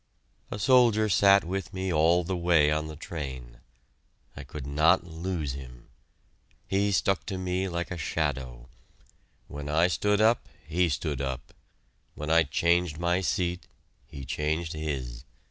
A soldier sat with me all the way on the train. I could not lose him! He stuck to me like a shadow. When I stood up, he stood up. When I changed my seat, he changed his.